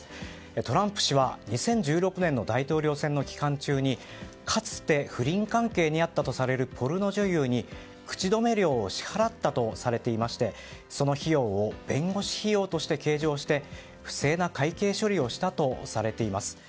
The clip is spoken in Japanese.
トランプ氏は２０１６年の大統領選の期間中にかつて不倫関係にあったとされるポルノ女優に口止め料を支払ったとされていましてその費用を弁護士費用として計上して不正な会計処理をしたとされています。